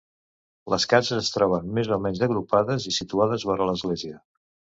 Les cases es troben més o menys agrupades i situades vora l'església.